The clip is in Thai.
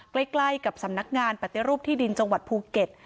ใกล้กับสำนักงานปฏิรูปที่ดินจังหวัดภูเก็ต